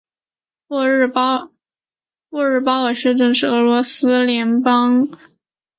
沃日巴尔市镇是俄罗斯联邦沃洛格达州托季马区所属的一个市镇。